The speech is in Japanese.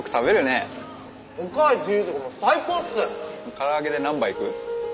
から揚げで何杯いく？